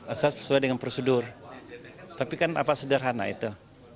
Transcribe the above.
asal sesuai dengan prosedur tapi kan apa sederhana itu